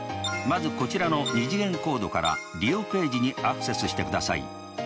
まずこちらの２次元コードから利用ページにアクセスしてください。